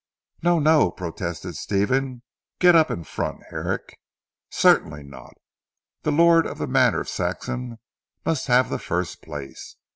"No! No," protested Stephen, "get up in front Herrick." "Certainly not. The Lord of the Manor of Saxham must have the first place."